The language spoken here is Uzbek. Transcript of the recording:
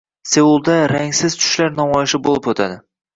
Seulda «Rangsiz tushlar» namoyishi bo‘lib o‘tadi